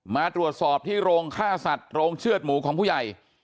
มาตรวจสอบที่โรงฆ่าสัตว์โรงเชือดหมูของผู้ใหญ่